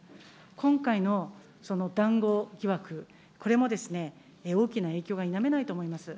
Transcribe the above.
今回のその談合疑惑、これも大きな影響が否めないと思います。